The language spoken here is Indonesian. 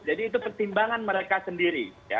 jadi itu pertimbangan mereka sendiri